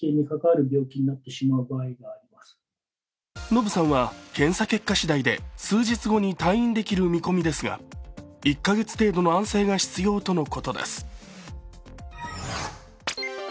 ノブさんは検査結果しだいで、数日後に退院できる見込みですが１カ月程度の安静が必要とのことです。